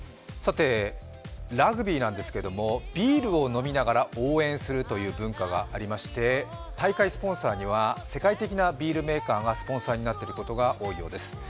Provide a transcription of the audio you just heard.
ラグビーなんですけれども、ビールを飲みながら応援するという文化がありまして、大会スポンサーには世界的なビールメーカーがスポンサーになっていることが多いようです。